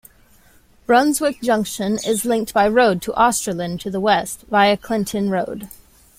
Brunswick Junction is linked by road to Australind to the west via Clifton Road.